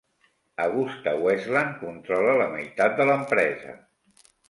AgustaWestland controla la meitat de l'empresa.